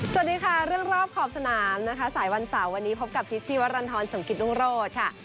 สวัสดีค่ะเรื่องรอบขอบสนามนะคะสายวันเสาร์วันนี้พบกับพิษชีวรรณฑรสมกิตรุงโรธค่ะ